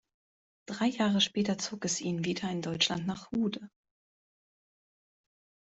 Drei Jahre später zog es ihn wieder in Deutschland nach Hude.